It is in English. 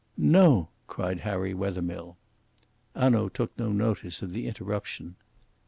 "No!" cried Harry Wethermill. Hanaud took no notice of the interruption.